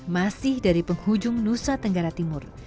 masih dari penghujung nusa tenggara timur